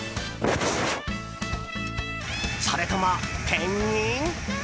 それとも、ペンギン？